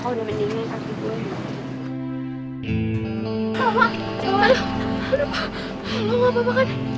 udah mendingin aku gue